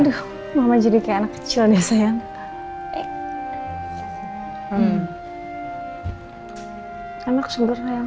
aduh mama jadi kayak anak kecil nih sayang